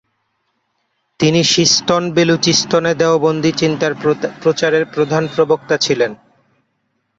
তিনি সিস্তন-বেলুচিস্তনে দেওবন্দী চিন্তার প্রচারের প্রধান প্রবক্তা ছিলেন।